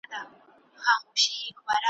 له ژوندونه ورک حساب وي بې پروا یو له زمانه `